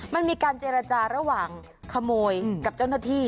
มันมีการเจราภาแล้วคระโมยกับเจ้าหน้าที